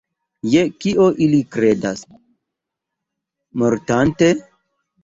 Je kio ili kredas, mortante?